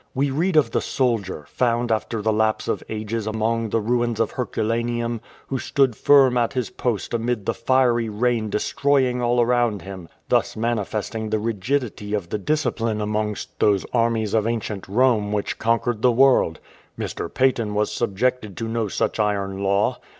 We read of the soldier, found after the lapse of ages among the ruins of Herculaneum, who stood firm at his post amid the fiery rain destroying all around him, thus manifesting the rigidity of the discipline amongst those armies of ancient Rome which conquered the world. Mr. Paton was subjected to no such iron law.